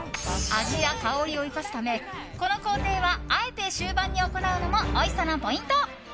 味や香りを生かすためこの工程はあえて終盤に行うのもおいしさのポイント。